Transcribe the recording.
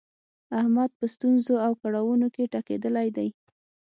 احمد په ستونزو او کړاونو کې ټکېدلی دی.